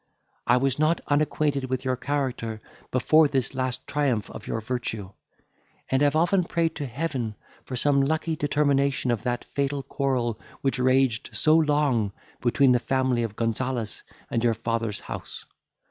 I was not unacquainted with your character before this last triumph of your virtue, and have often prayed to Heaven for some lucky determination of that fatal quarrel which raged so long between the family of Gonzales and your father's house.